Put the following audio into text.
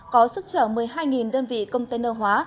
có sức trở một mươi hai đơn vị container hóa